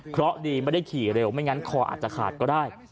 เพราะดีไม่ได้ขี่เร็วไม่งั้นคออาจจะขาดก็ได้